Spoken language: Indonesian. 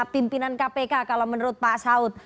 pimpinan kpk kalau menurut pak saud